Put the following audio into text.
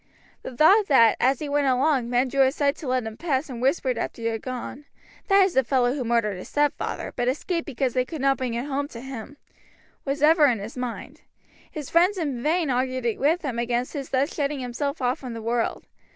The thought that as he went along men drew aside to let him pass and whispered after he had gone, "That is the fellow who murdered his stepfather, but escaped because they could not bring it home to him," was ever in his mind. His friends in vain argued with him against his thus shutting himself off from the world.